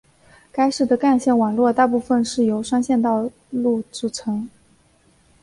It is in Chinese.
该市的干线网络大部分是由双线道路组成。